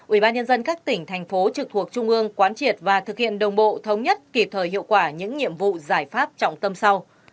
ubnd các tỉnh thành phố trực thuộc trung ương quán triệt và thực hiện đồng bộ thống nhất kịp thời hiệu quả những nhiệm vụ giải pháp trọng tâm sau